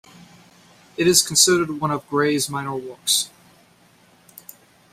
It is considered one of Gray's minor works.